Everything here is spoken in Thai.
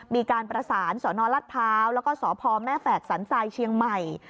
มีการประสานสนรัฐพร้าวแล้วก็สพแม่แฝกสันทรายเชียงใหม่